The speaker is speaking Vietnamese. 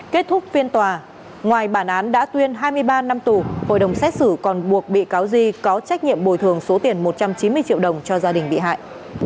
kết thúc phiên tòa ngoài bản án đã tuyên hai mươi ba năm tù hội đồng xét xử còn buộc bị cáo di có trách nhiệm bồi thường số tiền một trăm chín mươi triệu đồng cho gia đình bị hại